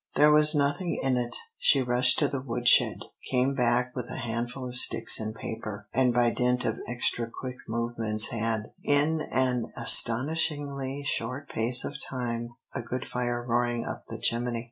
There was nothing in it. She rushed to the wood shed, came back with a handful of sticks and paper, and by dint of extra quick movements had, in an astonishingly short space of time, a good fire roaring up the chimney.